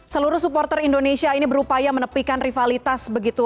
seluruh supporter indonesia ini berupaya menepikan rivalitas begitu